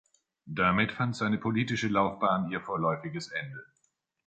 Damit fand seine politische Laufbahn ihr vorläufiges Ende.